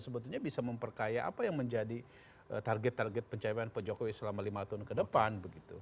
sebetulnya memperkaya apa yang menjadi target pencapaian pejokowi selama lima tahun ke depan